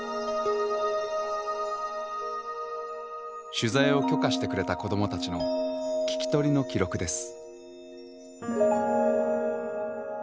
取材を許可してくれた子どもたちの聞き取りの記録です。